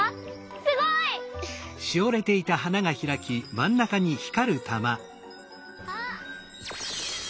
すごい！あっ！